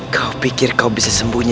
kau pikir kau bisa sembunyi